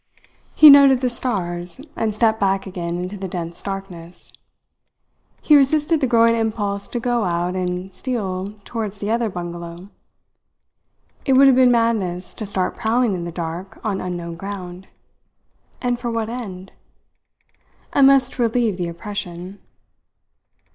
He noted the stars, and stepped back again into the dense darkness. He resisted the growing impulse to go out and steal towards the other bungalow. It would have been madness to start prowling in the dark on unknown ground. And for what end? Unless to relieve the oppression.